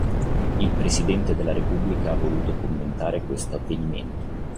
Il presidente della repubblica ha voluto commentare questo avvenimento.